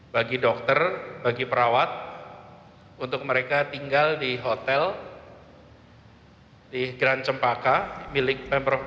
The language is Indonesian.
bagi dokter bagi perawat untuk mereka tinggal di hotel di grand cempaka milik pemprov dki